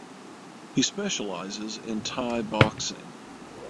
He specializes in Thai boxing.